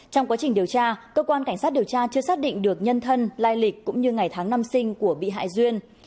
trong quá trình điều tra cơ quan cảnh sát điều tra chưa xác định được nhân thân lai lịch cũng như ngày tháng năm sinh của bị hại duyên